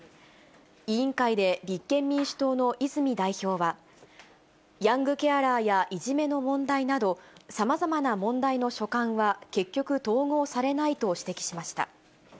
委員会で立憲民主党の泉代表は、ヤングケアラーやいじめの問題など、さまざまな問題の所管は結局統合されないと指摘しました。